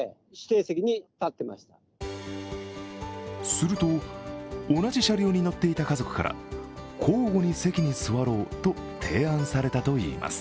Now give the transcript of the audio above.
すると、同じ車両に乗っていた家族から交互に席に座ろうと提案されたといいます。